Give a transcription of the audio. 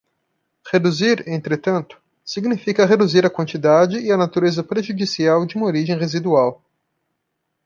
Reduzir, entretanto, significa reduzir a quantidade e a natureza prejudicial de uma origem residual.